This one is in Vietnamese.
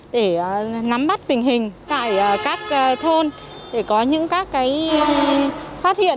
để nắm bắt tình hình tại các thôn để có những phát hiện